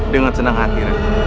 dengan senang hati